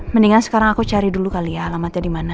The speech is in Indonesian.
mendingan sekarang aku cari dulu kali ya alamatnya di mana